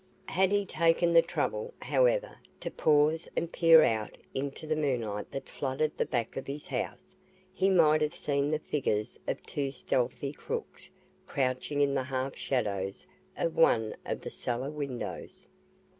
Had he taken the trouble, however, to pause and peer out into the moonlight that flooded the back of his house, he might have seen the figures of two stealthy crooks crouching in the half shadows of one of the cellar windows.